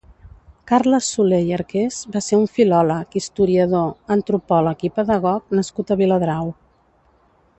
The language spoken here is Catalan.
Carles Soler i Arqués va ser un filòleg, historiador, antropòleg i pedagog nascut a Viladrau.